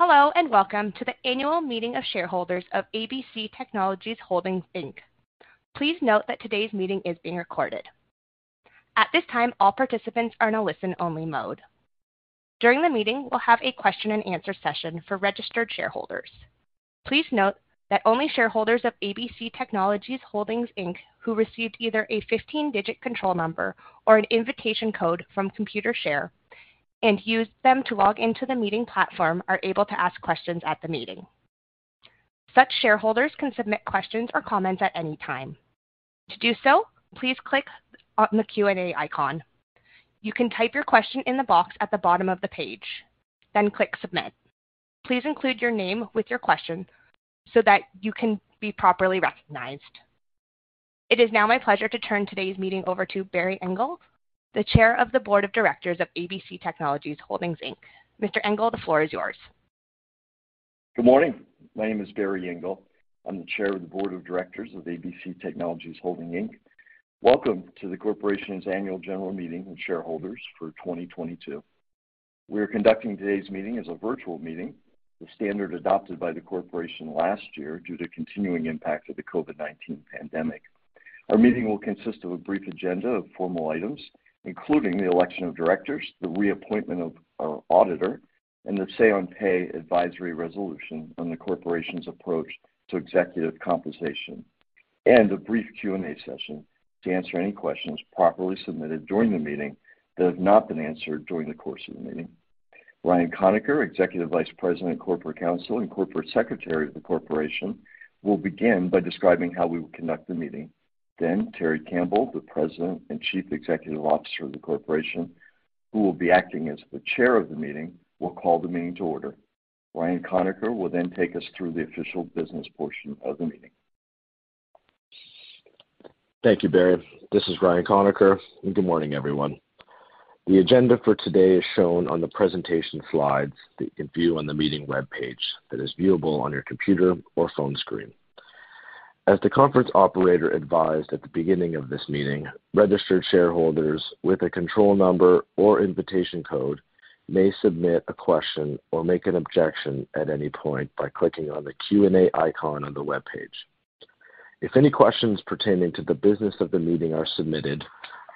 Hello and welcome to the annual meeting of shareholders of ABC Technologies Holdings, Inc. Please note that today's meeting is being recorded. At this time, all participants are in a listen only mode. During the meeting, we'll have a question and answer session for registered shareholders. Please note that only shareholders of ABC Technologies Holdings, Inc who received either a 15-digit control number or an invitation code from Computershare and used them to log into the meeting platform are able to ask questions at the meeting. Such shareholders can submit questions or comments at any time. To do so, please click on the Q&A icon. You can type your question in the box at the bottom of the page, then click submit. Please include your name with your question so that you can be properly recognized. It is now my pleasure to turn today's meeting over to Barry Engle, the Chair of the Board of Directors of ABC Technologies Holdings, Inc. Mr. Engle, the floor is yours. Good morning. My name is Barry Engle. I'm the Chair of the Board of Directors of ABC Technologies Holdings, Inc. Welcome to the corporation's annual general meeting of shareholders for 2022. We are conducting today's meeting as a virtual meeting, the standard adopted by the corporation last year due to continuing impact of the COVID-19 pandemic. Our meeting will consist of a brief agenda of formal items, including the election of directors, the reappointment of our auditor, and the say on pay advisory resolution on the corporation's approach to executive compensation, and a brief Q&A session to answer any questions properly submitted during the meeting that have not been answered during the course of the meeting. Ryan Conacher, Executive Vice President of Corporate Counsel and Corporate Secretary of the corporation, will begin by describing how we will conduct the meeting. Terry Campbell, the President and Chief Executive Officer of the corporation, who will be acting as the chair of the meeting, will call the meeting to order. Ryan Conacher will then take us through the official business portion of the meeting. Thank you, Barry. This is Ryan Conacher. Good morning, everyone. The agenda for today is shown on the presentation slides that you can view on the meeting webpage that is viewable on your computer or phone screen. As the conference operator advised at the beginning of this meeting, registered shareholders with a control number or invitation code may submit a question or make an objection at any point by clicking on the Q&A icon on the webpage. If any questions pertaining to the business of the meeting are submitted,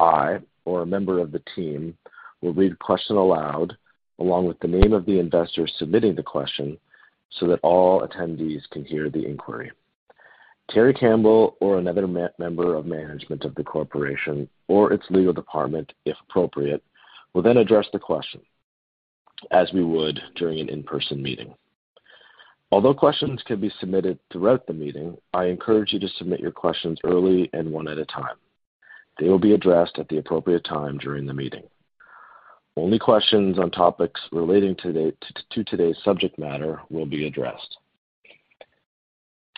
I or a member of the team will read the question aloud, along with the name of the investor submitting the question so that all attendees can hear the inquiry. Terry Campbell or another member of management of the corporation or its legal department, if appropriate, will then address the question as we would during an in-person meeting. Although questions can be submitted throughout the meeting, I encourage you to submit your questions early and one at a time. They will be addressed at the appropriate time during the meeting. Only questions on topics relating to today's subject matter will be addressed.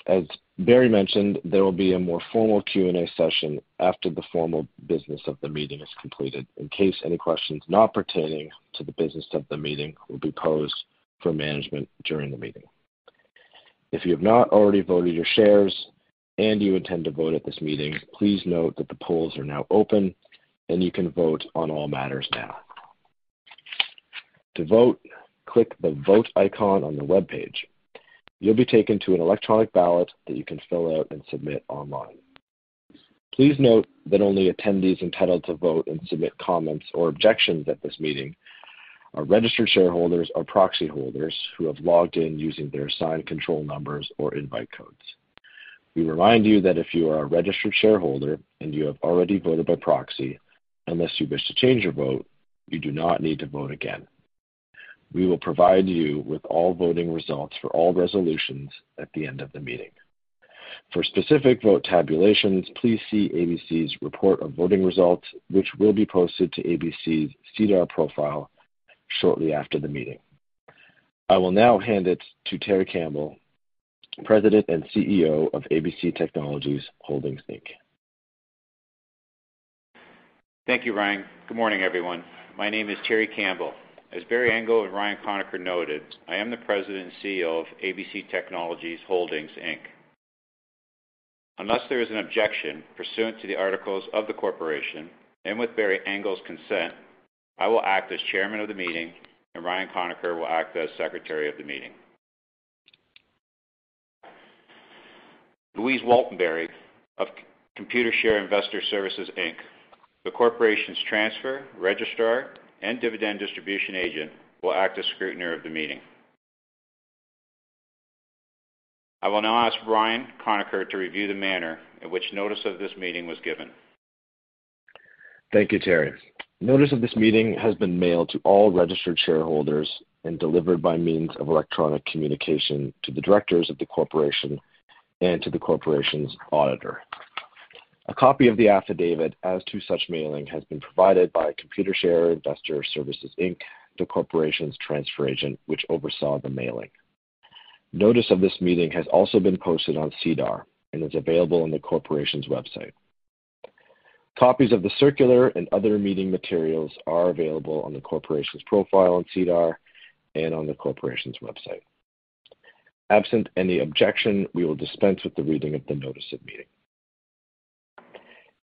As Barry mentioned, there will be a more formal Q&A session after the formal business of the meeting is completed in case any questions not pertaining to the business of the meeting will be posed for management during the meeting. If you have not already voted your shares and you intend to vote at this meeting, please note that the polls are now open and you can vote on all matters now. To vote, click the vote icon on the webpage. You'll be taken to an electronic ballot that you can fill out and submit online. Please note that only attendees entitled to vote and submit comments or objections at this meeting are registered shareholders or proxy holders who have logged in using their assigned control numbers or invite codes. We remind you that if you are a registered shareholder and you have already voted by proxy, unless you wish to change your vote, you do not need to vote again. We will provide you with all voting results for all resolutions at the end of the meeting. For specific vote tabulations, please see ABC's report of voting results, which will be posted to ABC's SEDAR profile shortly after the meeting. I will now hand it to Terry Campbell, President and CEO of ABC Technologies Holdings, Inc. Thank you, Ryan. Good morning, everyone. My name is Terry Campbell. As Barry Engle and Ryan Conacher noted, I am the President and CEO of ABC Technologies Holdings, Inc. Unless there is an objection pursuant to the articles of the corporation and with Barry Engle's consent, I will act as Chairman of the meeting, and Ryan Conacher will act as Secretary of the meeting. Louise Waltenbury of Computershare Investor Services Inc., the corporation's transfer, registrar, and dividend distribution agent, will act as scrutineer of the meeting. I will now ask Ryan Conacher to review the manner in which notice of this meeting was given. Thank you, Terry. Notice of this meeting has been mailed to all registered shareholders and delivered by means of electronic communication to the directors of the corporation and to the corporation's auditor. A copy of the affidavit as to such mailing has been provided by Computershare Investor Services Inc., the corporation's transfer agent, which oversaw the mailing. Notice of this meeting has also been posted on SEDAR and is available on the corporation's website. Copies of the circular and other meeting materials are available on the corporation's profile on SEDAR and on the corporation's website. Absent any objection, we will dispense with the reading of the notice of meeting.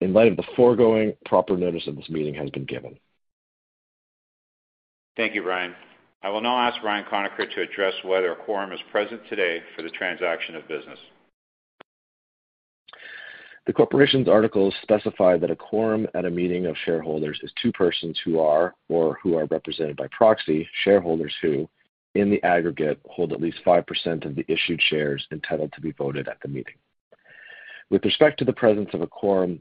In light of the foregoing, proper notice of this meeting has been given. Thank you, Ryan. I will now ask Ryan Conacher to address whether a quorum is present today for the transaction of business. The corporation's articles specify that a quorum at a meeting of shareholders is two persons who are, or who are represented by proxy, shareholders who, in the aggregate, hold at least 5% of the issued shares entitled to be voted at the meeting. With respect to the presence of a quorum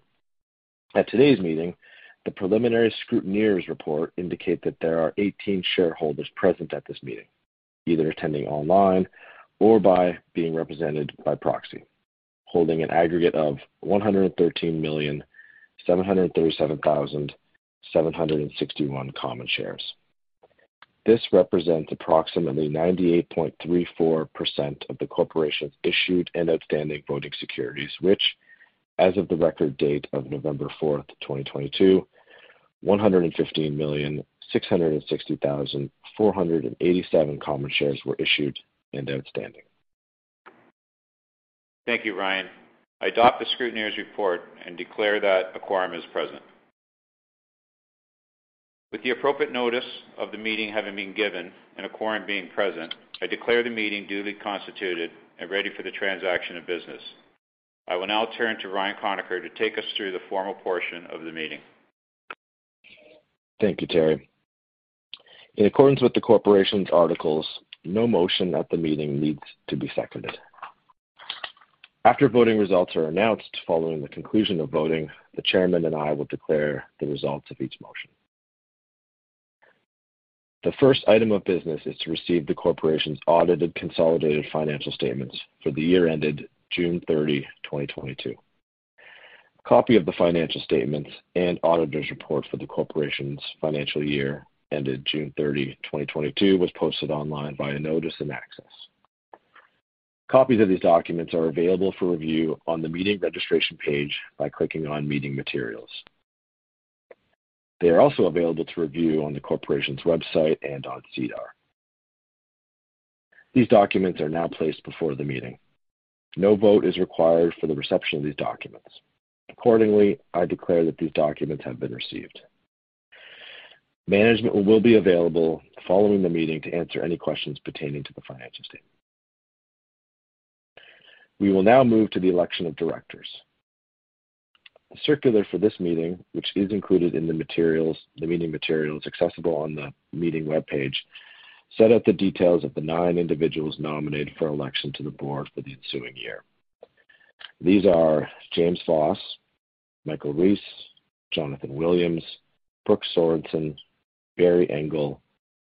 at today's meeting, the preliminary scrutineer's report indicate that there are 18 shareholders present at this meeting, either attending online or by being represented by proxy, holding an aggregate of 113,737,761 common shares. This represents approximately 98.34% of the corporation's issued and outstanding voting securities, which, as of the record date of November 4th, 2022, 115,660,487 common shares were issued and outstanding. Thank you, Ryan. I adopt the scrutineer's report and declare that a quorum is present. With the appropriate notice of the meeting having been given and a quorum being present, I declare the meeting duly constituted and ready for the transaction of business. I will now turn to Ryan Conacher to take us through the formal portion of the meeting. Thank you, Terry. In accordance with the Corporation's articles, no motion at the meeting needs to be seconded. After voting results are announced following the conclusion of voting, the Chairman and I will declare the results of each motion. The first item of business is to receive the Corporation's audited consolidated financial statements for the year ended June 30, 2022. A copy of the financial statements and auditor's report for the Corporation's financial year ended June 30, 2022 was posted online via Notice and Access. Copies of these documents are available for review on the meeting registration page by clicking on meeting materials. They are also available to review on the Corporation's website and on SEDAR. These documents are now placed before the meeting. No vote is required for the reception of these documents. Accordingly, I declare that these documents have been received. Management will be available following the meeting to answer any questions pertaining to the financial statement. We will now move to the election of directors. The circular for this meeting, which is included in the meeting materials accessible on the meeting webpage, set out the details of the nine individuals nominated for election to the board for the ensuing year. These are James Voss, Michael Reiss, Jonathan Williams, Brooke Sorensen, Barry Engle,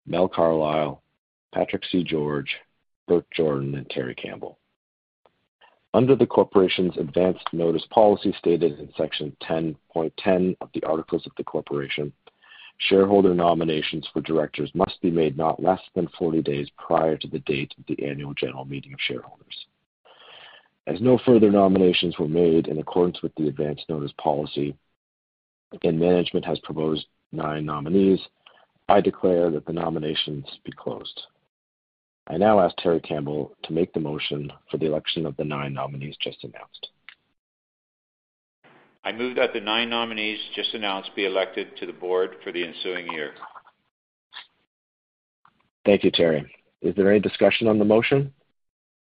Mel Carlisle, Patrick C. George, Burt Jordan, and Terry Campbell. Under the corporation's advance notice policy, stated in section 10.10 of the articles of the corporation, shareholder nominations for directors must be made not less than 40 days prior to the date of the annual general meeting of shareholders. As no further nominations were made in accordance with the advance notice policy, again, management has proposed nine nominees. I declare that the nominations be closed. I now ask Terry Campbell to make the motion for the election of the nine nominees just announced. I move that the nine nominees just announced be elected to the board for the ensuing year. Thank you, Terry. Is there any discussion on the motion?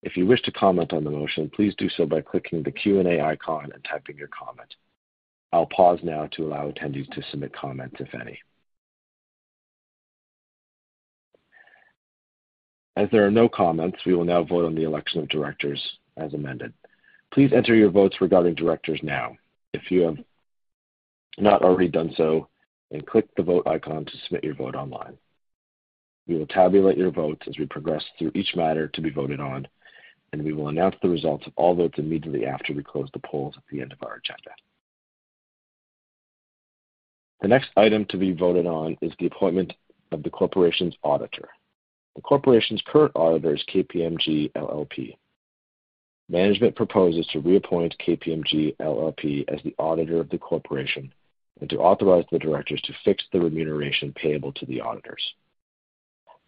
If you wish to comment on the motion, please do so by clicking the Q&A icon and typing your comment. I'll pause now to allow attendees to submit comments, if any. As there are no comments, we will now vote on the election of directors as amended. Please enter your votes regarding directors now. If you have not already done so, click the vote icon to submit your vote online. We will tabulate your votes as we progress through each matter to be voted on. We will announce the results of all votes immediately after we close the polls at the end of our agenda. The next item to be voted on is the appointment of the corporation's auditor. The corporation's current auditor is KPMG LLP. Management proposes to reappoint KPMG LLP as the auditor of the corporation and to authorize the directors to fix the remuneration payable to the auditors.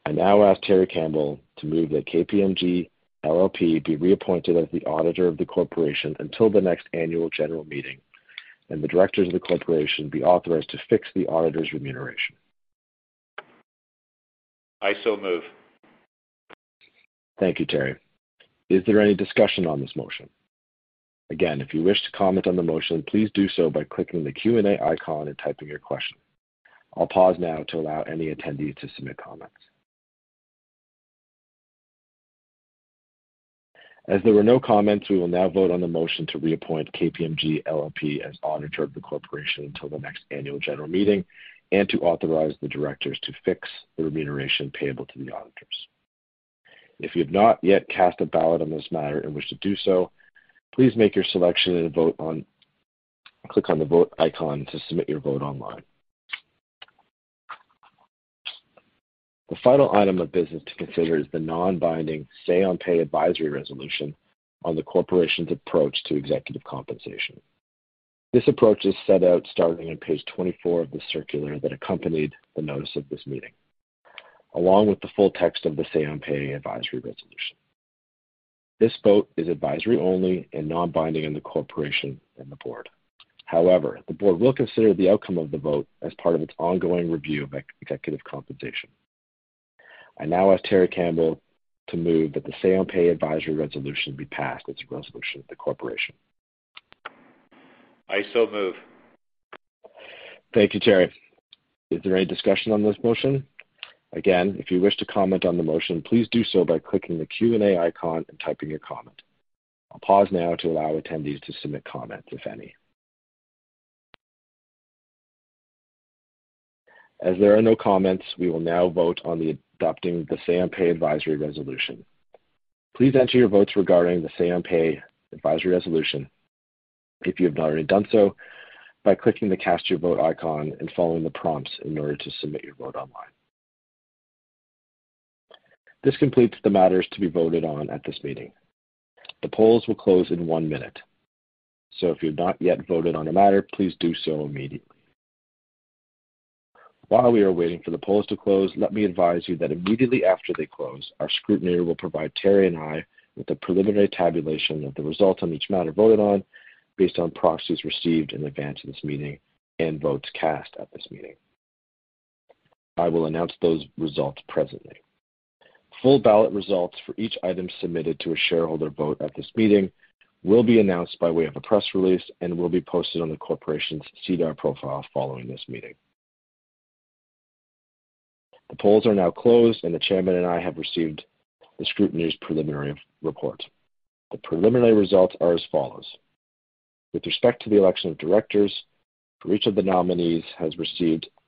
I now ask Terry Campbell to move that KPMG LLP be reappointed as the auditor of the corporation until the next annual general meeting, and the directors of the corporation be authorized to fix the auditor's remuneration. I so move. Thank you, Terry. Is there any discussion on this motion? Again, if you wish to comment on the motion, please do so by clicking the Q&A icon and typing your question. I'll pause now to allow any attendees to submit comments. As there were no comments, we will now vote on the motion to reappoint KPMG LLP as auditor of the corporation until the next annual general meeting and to authorize the directors to fix the remuneration payable to the auditors. If you have not yet cast a ballot on this matter and wish to do so, please make your selection and click on the vote icon to submit your vote online. The final item of business to consider is the non-binding say on pay advisory resolution on the corporation's approach to executive compensation. This approach is set out starting on page 24 of the circular that accompanied the notice of this meeting, along with the full text of the say on pay advisory resolution. This vote is advisory only and non-binding in the corporation and the Board. However, the Board will consider the outcome of the vote as part of its ongoing review of executive compensation. I now ask Terry Campbell to move that the say on pay advisory resolution be passed as a resolution of the corporation. I so move. Thank you, Terry. Is there any discussion on this motion? Again, if you wish to comment on the motion, please do so by clicking the Q&A icon and typing your comment. I'll pause now to allow attendees to submit comments, if any. As there are no comments, we will now vote on adopting the say on pay advisory resolution. Please enter your votes regarding the say on pay advisory resolution, if you have not already done so, by clicking the Cast Your Vote icon and following the prompts in order to submit your vote online. This completes the matters to be voted on at this meeting. The polls will close in one minute. If you've not yet voted on a matter, please do so immediately. While we are waiting for the polls to close, let me advise you that immediately after they close, our scrutineer will provide Terry Campbell and I with a preliminary tabulation of the results on each matter voted on based on proxies received in advance of this meeting and votes cast at this meeting. I will announce those results presently. Full ballot results for each item submitted to a shareholder vote at this meeting will be announced by way of a press release and will be posted on the corporation's SEDAR profile following this meeting. The polls are now closed, and the chairman and I have received the scrutineer's preliminary report. The preliminary results are as follows. With respect to the election of directors, for each of the nominees has received a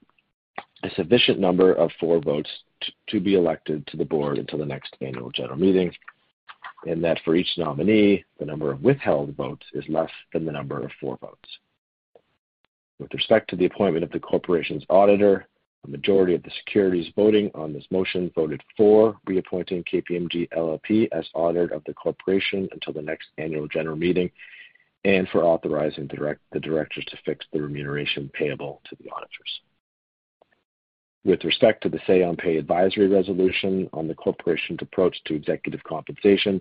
sufficient number of for votes to be elected to the board until the next annual general meeting, and that for each nominee, the number of withheld votes is less than the number of for votes. With respect to the appointment of the corporation's auditor, a majority of the securities voting on this motion voted for reappointing KPMG LLP as auditor of the corporation until the next annual general meeting and for authorizing the directors to fix the remuneration payable to the auditors. With respect to the say on pay advisory resolution on the corporation's approach to executive compensation,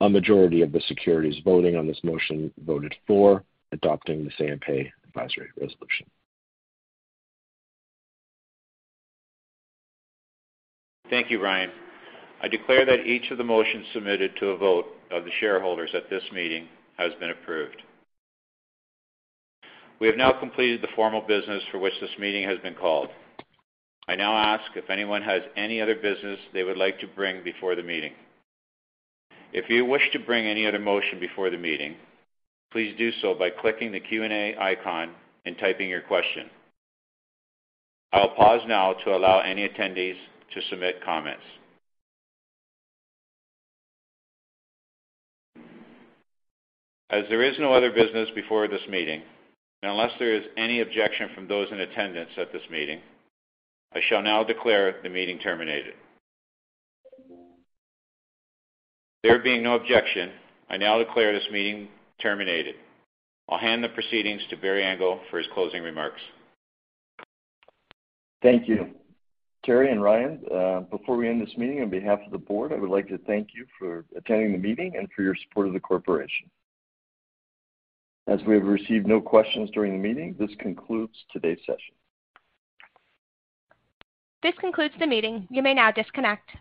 a majority of the securities voting on this motion voted for adopting the say on pay advisory resolution. Thank you, Ryan. I declare that each of the motions submitted to a vote of the shareholders at this meeting has been approved. We have now completed the formal business for which this meeting has been called. I now ask if anyone has any other business they would like to bring before the meeting. If you wish to bring any other motion before the meeting, please do so by clicking the Q&A icon and typing your question. I will pause now to allow any attendees to submit comments. As there is no other business before this meeting, and unless there is any objection from those in attendance at this meeting, I shall now declare the meeting terminated. There being no objection, I now declare this meeting terminated. I'll hand the proceedings to Barry Engle for his closing remarks. Thank you. Terry and Ryan, before we end this meeting, on behalf of the board, I would like to thank you for attending the meeting and for your support of the corporation. As we have received no questions during the meeting, this concludes today's session. This concludes the meeting. You may now disconnect.